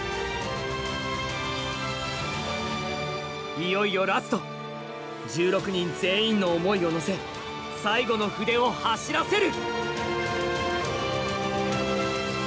いよいよラスト１６人全員の思いを乗せ最後の筆を走らせる